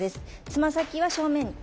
つま先は正面。